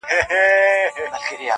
په یارانو چي یې زهر نوشوله -